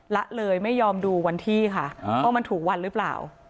ละเลยไม่ยอมดูวันที่ค่ะว่ามันถูกวันหรือเปล่า